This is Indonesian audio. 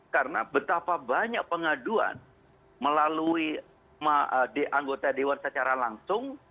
karena betapa banyak pengaduan melalui anggota dewan secara langsung